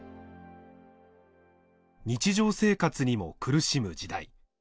日常生活にも苦しむ時代。